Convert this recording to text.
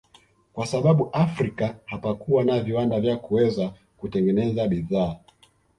Kwa sababu Afrika hapakuwa na viwanda vya kuweza kutengeneza bidhaa